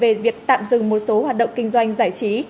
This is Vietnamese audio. về việc tạm dừng một số hoạt động kinh doanh giải trí